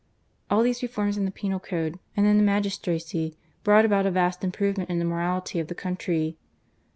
All these refoims in the penal code and in the m^stracy brought about a vast improvement in the morality of the country.